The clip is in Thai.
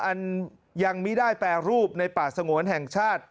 อันยังไม่ได้แปรรูปในป่าสงวนแห่งชาติ